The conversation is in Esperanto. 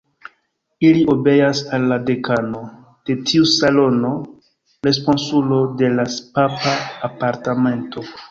Ili obeas al la dekano de tiu salono, responsulo de la papa apartamento.